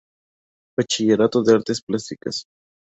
Bachillerato en Artes Plásticas.